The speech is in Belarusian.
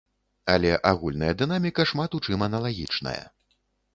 Але агульная дынаміка шмат у чым аналагічная.